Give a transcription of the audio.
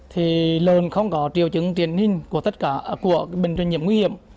thì lần không có triều chứng triển hình của tất cả của bệnh truyền nhiễm nguy hiểm